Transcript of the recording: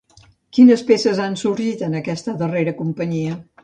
Quines peces han sorgit en aquesta darrera companyia?